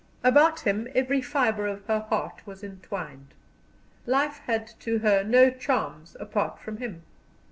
About him every fibre of her heart was entwined. Life had to her no charms apart from him.